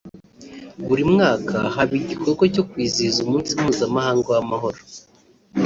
buri mwaka haba igikorwa cyo kwizihiza umunsi mpuzamahanga w’amahoro